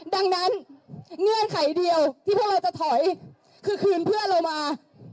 ดังนั้นเงื่อนไขเดียวที่พวกเราจะถอยคือคืนเพื่อนเรามา